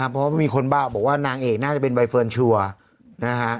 เพราะไม่มีคนบ่าวบอกว่านางเอกน่าจะเป็นใบเอนส์ชัวร์